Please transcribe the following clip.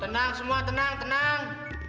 tenang semua tenang tenang